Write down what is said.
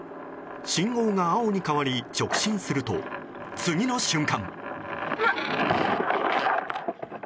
信号が青に変わり直進すると次の瞬間。